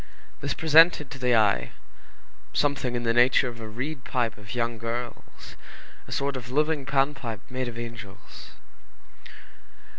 This presented to the eye, something in the nature of a reed pipe of young girls, a sort of living Pan pipe made of angels.